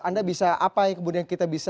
anda bisa apa yang kemudian kita bisa